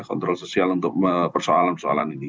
kontrol sosial untuk persoalan persoalan ini